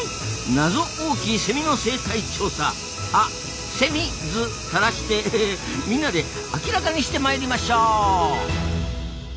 謎多きセミの生態調査あセミずたらしてみんなで明らかにして参りましょう！